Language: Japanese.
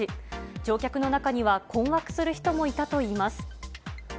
乗客の中には、困惑する人もいたといいます。